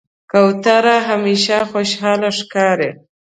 کوتره همیشه خوشحاله ښکاري.